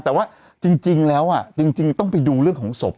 แต่ว่าจริงแล้วจริงต้องไปดูเรื่องของศพ